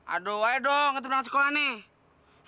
aduh ayo dong kita pulang ke sekolah nih